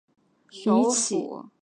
彬乌伦为该镇之首府。